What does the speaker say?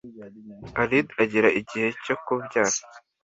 Alide agera igihe cyo kubyara